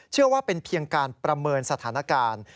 เชื่อว่าเป็นเพียงการประเมินสถานการณ์